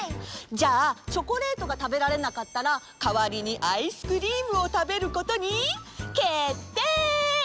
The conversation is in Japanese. じゃあチョコレートがたべられなかったらかわりにアイスクリームをたべることにけってい！